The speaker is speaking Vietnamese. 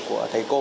của thầy cô